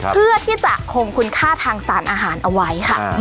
เพื่อที่จะคงคุณค่าทางสารอาหารเอาไว้ค่ะ